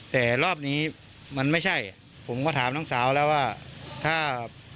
แต่รอบนี้มันไม่ใช่ผมก็ถามน้องสาวแล้วว่าถ้า